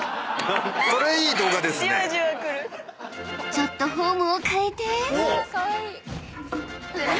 ［ちょっとフォームを変えて］